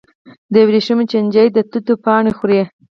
د ورېښمو چینجي د توت پاڼې خوري.